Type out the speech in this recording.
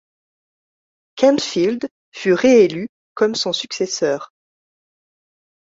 Canfield fut réélu comme son successeur.